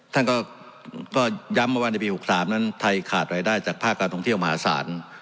ท่านก็ย้ำมาว่าในปี๖๓นั้นไทยขาดรายได้จากภาคการท่องเที่ยวมหาศาล